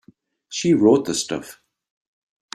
She wrote the stuff.